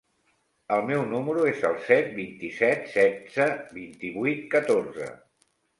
El meu número es el set, vint-i-set, setze, vint-i-vuit, catorze.